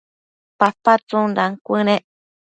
papa tsundan cuënec